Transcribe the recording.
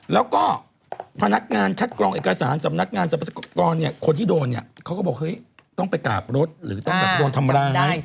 แล้วก็พนักงานทัดกรองเอกสารสำนักงานสรรพสกรคนที่โดนเขาก็บอกต้องไปกราบรถหรือต้องไปกราบรถทำร่าง